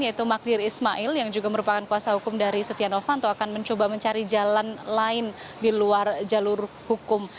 yaitu magdir ismail yang juga merupakan kuasa hukum dari setia novanto akan mencoba mencari jalan lain di luar jalur hukum